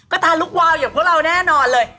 ก็ตาลุกวาวอย่างพวกเราแน่นอนเลย